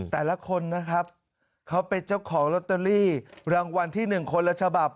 แต่ละคนนะครับเขาเป็นเจ้าของลอตเตอรี่รางวัลที่๑คนละฉบับ